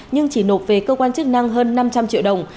nhưng chỉ nộp về cơ quan chức năng hơn năm trăm linh triệu đồng